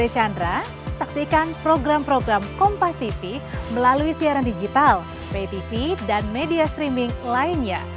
saksikan program program kompastv melalui siaran digital ptv dan media streaming lainnya